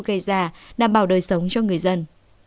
gây ra đảm bảo đời sống cho người dân